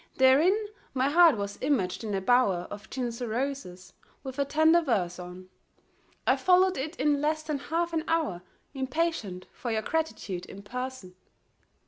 Therein my heart was imaged in a bower Of tinsel roses, with a tender verse on ; I followed it in less than half an hour Impatient for your gratitude in person.